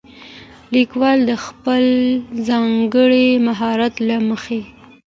ليکوال د خپل ځانګړي مهارت له مخې